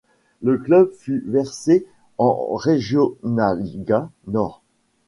Le club fut versé en Regionalliga Nord.